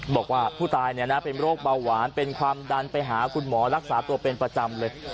บอกว่าผู้ตายเป็นโรคเบาหวานเป็นความดันไปหาคุณหมอรักษาตัวเป็นประจำเลย